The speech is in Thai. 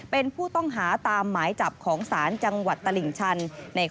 เป็นผู้ต้องหาตามหมายจับของศจตระหลิงชัน